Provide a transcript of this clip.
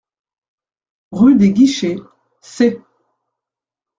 Rue Des Guichets, Sées